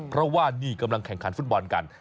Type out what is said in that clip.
เพราะว่านี่กำลังแข่งขันฟุตบอลกัน